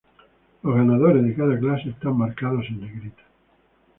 Los ganadores de cada clase están marcados en negrita.